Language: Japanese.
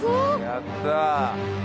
やったー！